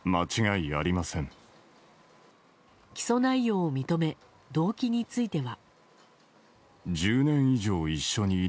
起訴内容を認め動機については。